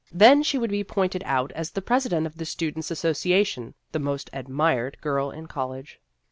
Then she would be pointed out as "the president of the Students' Association the most admired girl ' in college."